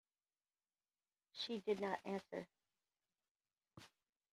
She did not answer.